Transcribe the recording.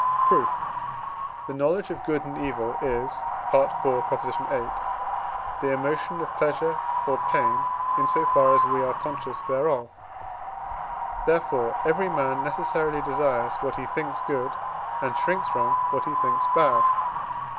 Proof. The knowledge of good and evil is (IV. viii.) the emotion of pleasure or pain, in so far as we are conscious thereof; therefore, every man necessarily desires what he thinks good, and shrinks from what he thinks bad.